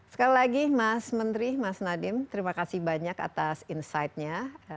sekali lagi mas menteri mas nadiem terima kasih banyak atas insightnya